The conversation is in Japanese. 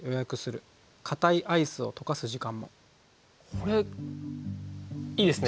これいいですね！